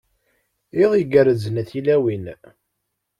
Iḍ igerrzen a tilawin.